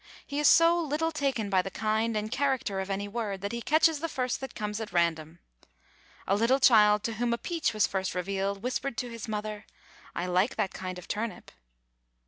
He is so little taken by the kind and character of any word that he catches the first that comes at random. A little child to whom a peach was first revealed, whispered to his mother, "I like that kind of turnip."